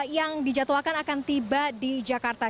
yang dijadwalkan akan tiba di jakarta